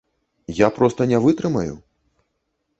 Я проста не вытрымаю.